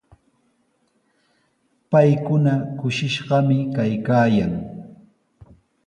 Paykuna kushishqami kaykaayan.